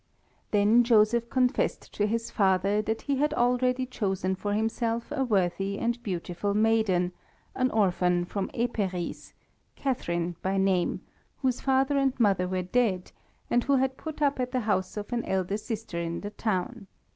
Then Joseph confessed to his father that he had already chosen for himself a worthy and beautiful maiden, an orphan from Eperies, Catharine by name, whose father and mother were dead, and who had put up at the house of an elder sister in the town.